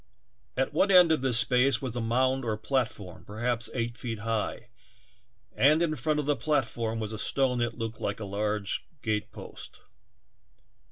At one end of this space was a mound or platform, perhaps eight feet high, and in front of the platform was a stone that looked like a large gatepost.